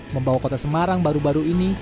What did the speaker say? membawa kota semarang baru baru ini